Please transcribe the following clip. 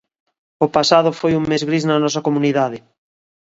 O pasado foi un mes gris na nosa comunidade.